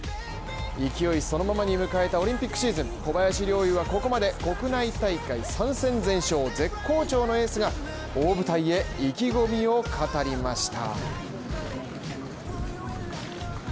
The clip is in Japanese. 勢いそのままに迎えたオリンピックシーズン、小林陵侑はここまで国内大会３勝全勝絶好調のエースが、大舞台へ意気込みを語りました。